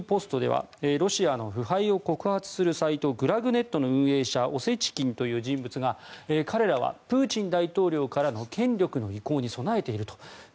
そして、キーウ・ポストではロシアの腐敗を告発するサイトグラグ・ネットの運営者オセチキンという人物が彼らはプーチン大統領からの権力の移行に備えていると。